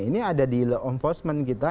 ini ada di law enforcement kita